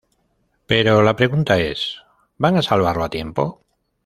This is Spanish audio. Pero, la pregunta es "¿Van a salvarlo a tiempo?".